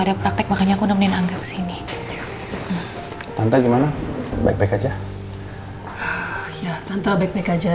ada praktek makanya aku nemenin angga kesini tanpa gimana baik baik aja ya tanpa baik baik aja